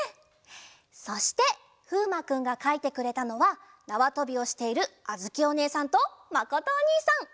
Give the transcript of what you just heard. そしてふうまくんがかいてくれたのはなわとびをしているあづきおねえさんとまことおにいさん。